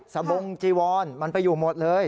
บงจีวอนมันไปอยู่หมดเลย